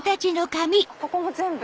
ここも全部？